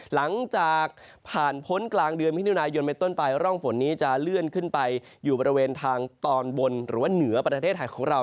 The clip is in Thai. หลังจากผ่านพ้นกลางเดือนมิถุนายนไปต้นไปร่องฝนนี้จะเลื่อนขึ้นไปอยู่บริเวณทางตอนบนหรือว่าเหนือประเทศไทยของเรา